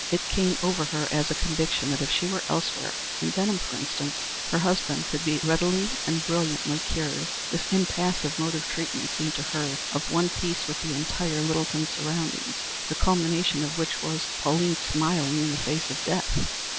It came over her as a conviction that if she were elsewhere in Benham, for instance her husband could be readily and brilliantly cured. This impassive mode of treatment seemed to her of one piece with the entire Littleton surroundings, the culmination of which was Pauline smiling in the face of death.